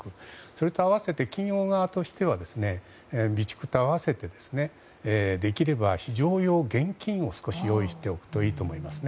それと合わせて企業側としては備蓄と併せてできれば非常用の現金を用意しておくといいと思います。